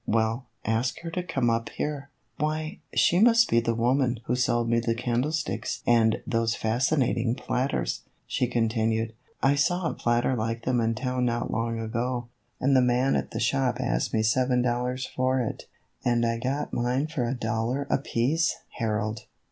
Well, ask her to come up here. Why, she must be the woman who sold me the candle sticks and those fascinating platters," she continued. " I saw a platter like them in town not long ago, and the man at the shop asked me seven dollars for it, and I got mine for a dollar apiece, Harold."